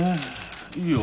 いいよ